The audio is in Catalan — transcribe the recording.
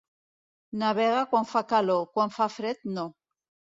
Navega quan fa calor; quan fa fred, no.